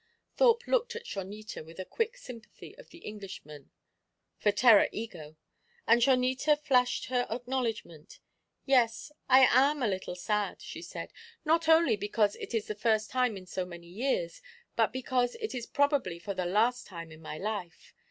Thorpe looked at Chonita with the quick sympathy of the Englishman for terra ego, and Chonita flashed her acknowledgment. "Yes, I am a little sad," she said; "not only because it is the first time in so many years, but because it is probably for the last time in my life.